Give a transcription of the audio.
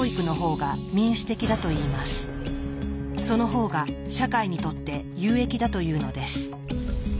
その方が社会にとって有益だというのです。